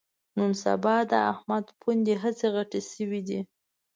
نن سبا د احمد پوندې هسې غټې شوې دي